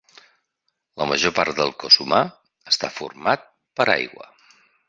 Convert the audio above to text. La major part del cos humà està format per aigua.